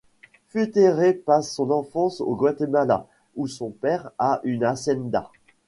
Fuetterer passe son enfance au Guatemala, où son père a une hacienda.